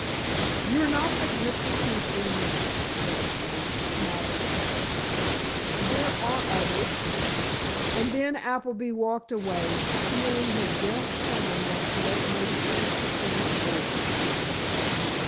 "You're not the Mr. Keefe we meant," said Appleby, smiling at his secretary. "There are others." And then Appleby walked away, feeling his best plan was to let Maida think things over.